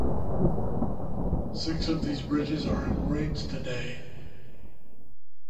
Six of these bridges are in ruins today.